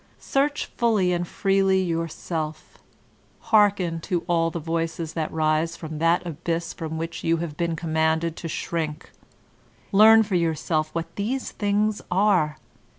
Search fully and freely your Self; hearken to all the voices that rise from that abyss from which you have been commanded to shrink. Learn for yourself what these things are.